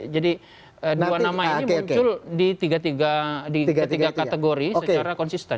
jadi dua nama ini muncul di ketiga kategori secara konsisten